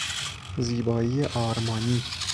زیبایی آرمانی